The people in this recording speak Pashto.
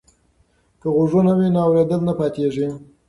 که غوږونه وي نو اوریدل نه پاتیږي.